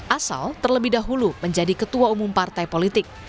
asal terlebih dahulu menjadi ketua umum partai politik